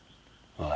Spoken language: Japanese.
おい！